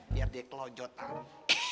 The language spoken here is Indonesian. biar dia kelojotan